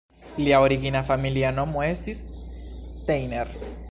Lia origina familia nomo estis Steiner.